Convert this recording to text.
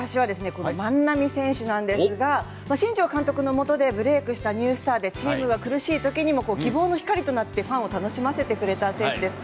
この万波選手なんですが新庄監督のもとでブレークしたニュースターでチームが苦しいときにも希望の光となってファンを楽しませてくれた選手です。